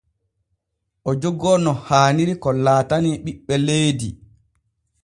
O jogoo no haaniri ko laatanii ɓiɓɓe leydi.